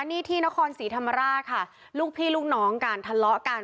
นี่ที่นครศรีธรรมราชค่ะลูกพี่ลูกน้องการทะเลาะกัน